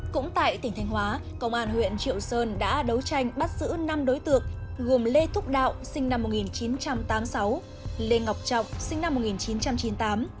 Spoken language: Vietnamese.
cũng tại tỉnh thanh hóa công an huyện triệu sơn đã đấu tranh bắt giữ năm đối tượng gồm lê thúc đạo sinh năm một nghìn chín trăm tám mươi sáu lê ngọc trọng sinh năm một nghìn chín trăm chín mươi tám